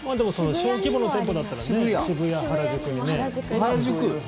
小規模の店舗だったらね渋谷、原宿にね。原宿？